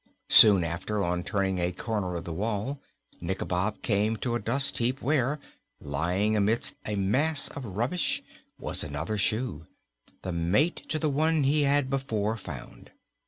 Soon after, on turning a corner of the wall, Nikobob came to a dust heap where, lying amidst a mass of rubbish, was another shoe the mate to the one he had before found.